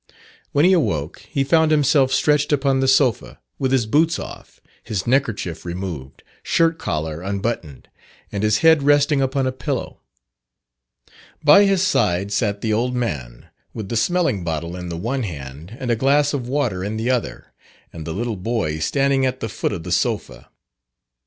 When he awoke, he found himself stretched upon the sofa, with his boots off, his neckerchief removed, shirt collar unbuttoned, and his head resting upon a pillow. By his side sat the old man, with the smelling bottle in the one hand, and a glass of water in the other, and the little boy standing at the foot of the sofa.